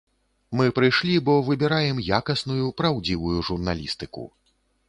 Мы прыйшлі, бо выбіраем якасную, праўдзівую журналістыку.